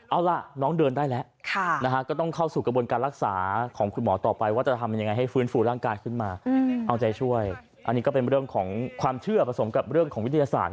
เอาล่ะน้องเดินได้แล้ว